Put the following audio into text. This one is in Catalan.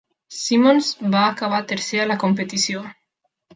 Simmons va acabar tercer en la competició.